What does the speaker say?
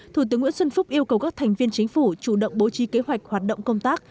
thủ tướng nguyễn xuân phúc yêu cầu các thành viên chính phủ chủ động bố trí kế hoạch hoạt động công tác